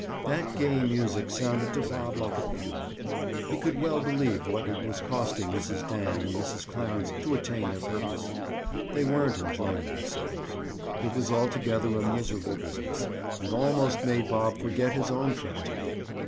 That gay music sounded to Bob like a fugue. He could well believe what it was costing Mrs. Dan and Mrs. Clarence to attain their purpose. They weren't enjoying themselves. It was altogether a miserable business, and almost made Bob forget his own tragedy.